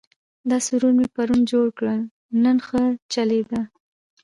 دا سرور مې پرون جوړ کړ، نن ښه چلېده.